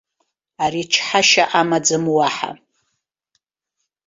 Ари чҳашьа амаӡам уаҳа!